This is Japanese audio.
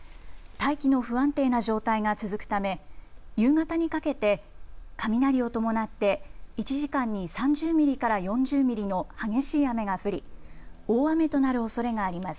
大気の不安定な状態が続くため夕方にかけて雷を伴って１時間に３０ミリから４０ミリの激しい雨が降り大雨となるおそれがあります。